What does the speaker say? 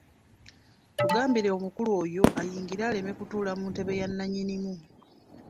Tugambire omukulu oyo ayingira aleme kutuula mu ntebe ya nnannyinimu.